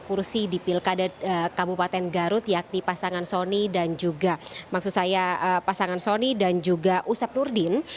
kursi di pilkada kabupaten garut yakni pasangan sony dan juga maksud saya pasangan soni dan juga usep nurdin